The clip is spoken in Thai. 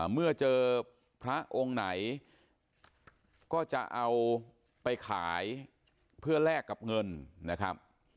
เมื่อเจอพระองค์ไหนก็จะเอาไปขายเพื่อแลกกับเงินนะครับ